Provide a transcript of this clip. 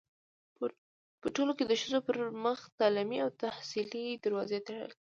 پـه ټـولـه کـې د ښـځـو پـر مـخ تـعلـيمي او تحصـيلي دروازې تــړل.